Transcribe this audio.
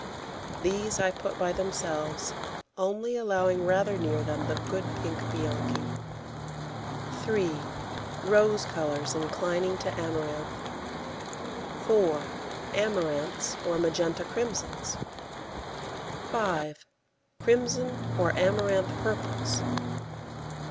These I put by themselves, only allowing rather near them the good pink Bianchi. 3. Rose colours inclining to amaranth. 4. Amaranths or magenta crimsons. 5. Crimson or amaranth purples.